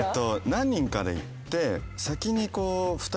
何人かで行って。